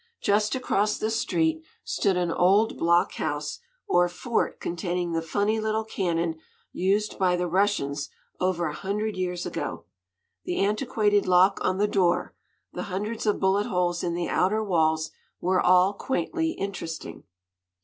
Just across the street stood an old block house or fort containing the funny little cannon used by the Russians over a hundred years ago. The antiquated lock on the door, the hundreds of bullet holes in the outer walls, were all quaintly interesting.